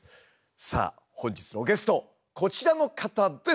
さあ本日のゲストこちらの方です！